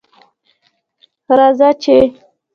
راځه چې